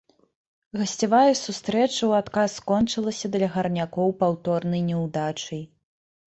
Гасцявая сустрэча ў адказ скончылася для гарнякоў паўторнай няўдачай.